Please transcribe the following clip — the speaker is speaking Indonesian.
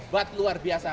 hebat luar biasa